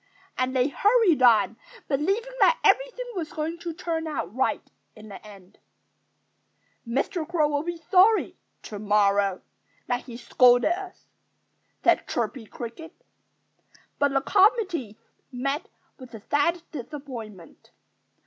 And they hurried on, believing that everything was going to turn out all right, in the end. "Mr. Crow will be sorry, to morrow, that he scolded us," said Chirpy Cricket. But the committee met with a sad disappointment.